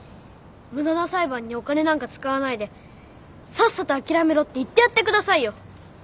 無駄な裁判にお金なんか使わないでさっさと諦めろって言ってやってくださいよ。